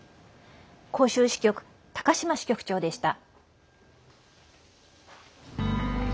広州支局、高島支局長でした。